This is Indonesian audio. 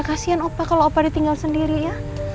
kasian opa kalo opa ditinggal sendiri ya